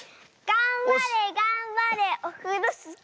がんばれがんばれオフロスキー！